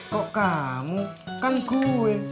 kok kamu kan gue